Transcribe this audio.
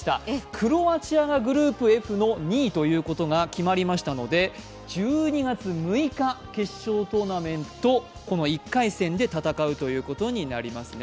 クロアチアがグループＦの２位と決まりましたので１２月６日、決勝トーナメント１回戦で戦うということになりますね。